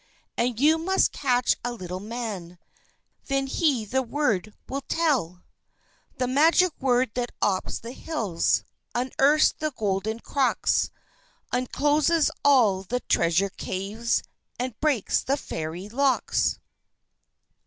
And you must catch a Little Man; Then he the Word will tell,_ _The Magic Word that opes the hills, Unearths the Golden Crocks, Uncloses all the Treasure Caves, And breaks the Fairy Locks!